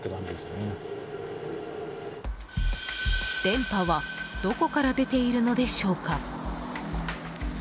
電波はどこから出ているのでしょうか。